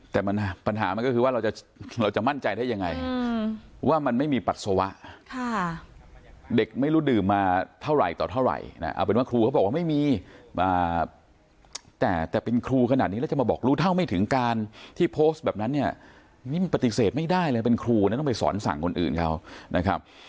แต่มันปัญหามันก็คือว่าเราจะมั่นใจได้ยังไงว่ามันไม่มีปัสสาวะเด็กไม่รู้ดื่มมาเท่าไหร่ต่อเท่าไหร่นะเอาเป็นว่าครูเขาบอกว่าไม่มีแต่เป็นครูขนาดนี้แล้วจะมาบอกรู้เท่าไม่ถึงการที่โพสต์แบบนั้นเนี่ยนี่มันปฏิเสธไม่ได้เลยเป็นครูนะต้องไปสอนสั่งคนอื่นเขานะครับ